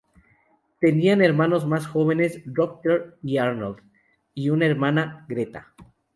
Tenían hermanos más jóvenes, Rutger y Arnold, y una hermana, Greta.